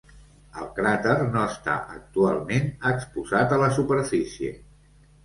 El cràter no està actualment exposat a la superfície.